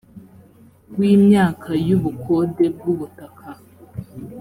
w imyaka y ubukode bw ubutaka